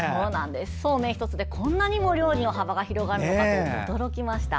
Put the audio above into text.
そうめん１つでこんなにも料理の幅が広がるのかと驚きました。